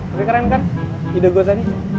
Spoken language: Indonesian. tapi keren kan ide gua tadi